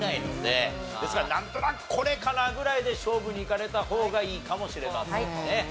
ですから「なんとなくこれかな」ぐらいで勝負にいかれた方がいいかもしれませんね。